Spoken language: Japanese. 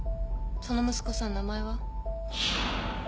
その息子さん名前は？